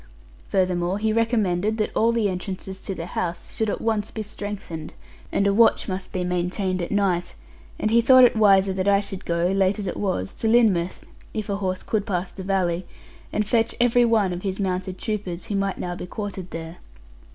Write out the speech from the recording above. Furthermore, he recommended that all the entrances to the house should at once be strengthened, and a watch must be maintained at night; and he thought it wiser that I should go (late as it was) to Lynmouth, if a horse could pass the valley, and fetch every one of his mounted troopers, who might now be quartered there.